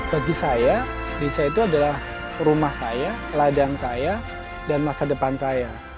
bagi saya desa itu adalah rumah saya ladang saya dan masa depan saya